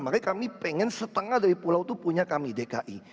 makanya kami pengen setengah dari pulau itu punya kami dki